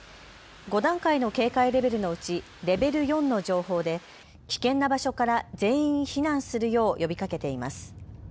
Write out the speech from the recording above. ５段階の警戒レベルのうちレベル４の情報で危険な場所から全員避難するよう呼びかけています。